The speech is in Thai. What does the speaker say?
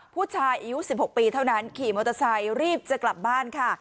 ผู้ชายอายุ๑๖ปีเท่านั้นขี่มอเตอร์ไซค์รีบจะกลับบ้านค่ะ